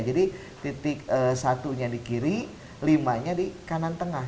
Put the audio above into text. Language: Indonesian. jadi titik satunya di kiri limanya di kanan tengah